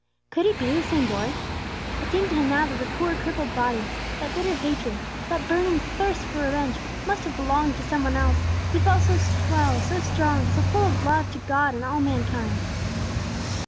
Could he be the same boy? It seemed to him now that that poor, crippled body, that bitter hatred, that burning thirst for revenge, must have belonged to some one else, he felt so well, so strong, so full of love to God and all mankind.